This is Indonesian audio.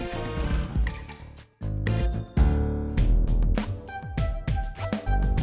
bapak atau kamu yang mau